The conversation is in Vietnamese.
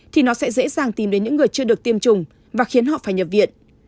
thì nó sẽ dễ dàng tìm đến những người chưa được tiêm chủng và khiến họ phải nhập viện